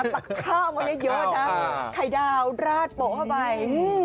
ตักข้าวมาได้เยอะนะไข่ดาวราดโปะเข้าไป